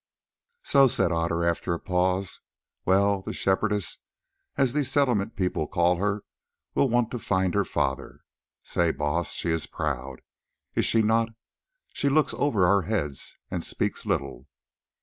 "So," said Otter after a pause. "Well, the Shepherdess, as these Settlement people call her, will want to find her father. Say, Baas, she is proud, is she not? She looks over our heads and speaks little."